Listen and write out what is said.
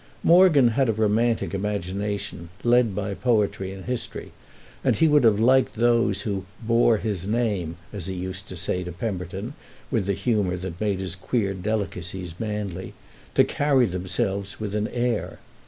Morgan had a romantic imagination, led by poetry and history, and he would have liked those who "bore his name"—as he used to say to Pemberton with the humour that made his queer delicacies manly—to carry themselves with an air.